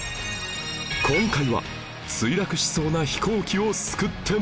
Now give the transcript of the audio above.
今回は墜落しそうな飛行機を救ってもらうぞ！